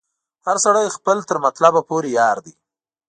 هر سړی خپل تر مطلبه پوري یار دی